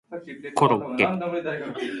コロッケ